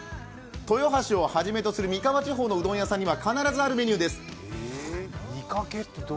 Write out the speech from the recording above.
豊橋をはじめとする三河地方のうどん屋さんには必ずあるメニューです。